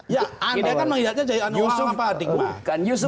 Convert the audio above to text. ya anda kan menghidapnya jadi orang paradigma